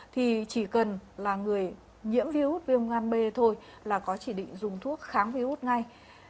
thì chỉ cần là người nhiễm viếu hút viêm ngăn bê thôi là có chỉ định dùng thuốc kháng viếu hút ngay